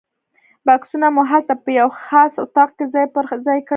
بکسونه مو هلته په یوه خاص اتاق کې ځای پر ځای کړل.